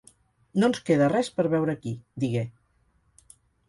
"No ens queda res per veure aquí", digué.